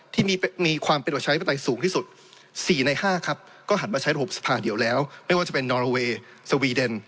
แต่ท่านก็ยังเลือกครับที่จะไปยกยกตัวอย่างประเทศอื่น